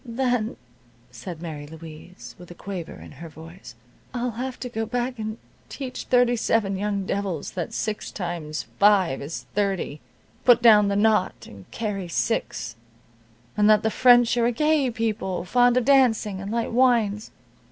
"Then," said Mary Louise, with a quaver in her voice, "I'll have to go back and teach thirty seven young devils that six times five is thirty, put down the naught and carry six, and that the French are a gay people, fond of dancing and light wines.